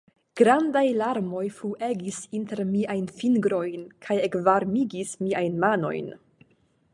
Grandaj larmoj fluegis inter miajn fingrojn kaj ekvarmigis miajn manojn.